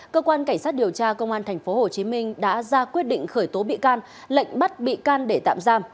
cơ quan cảnh sát điều tra công an tp hcm đã ra quyết định khởi tố bị can lệnh bắt bị can để tạm giam